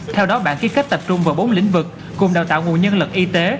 theo đó bản kế kết tập trung vào bốn lĩnh vực cùng đào tạo nguồn nhân lực y tế